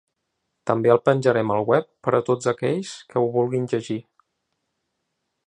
També el penjarem al web per a tots aquells que ho vulguin llegir.